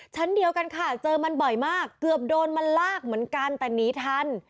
ชั้นเดียวกันค่ะเจอมันบ่อยมากเกือบโดนมันลากเหมือนกันแต่หนีทัน